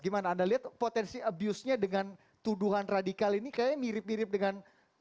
gimana anda lihat potensi abuse nya dengan tuduhan radikal ini kayaknya mirip mirip dengan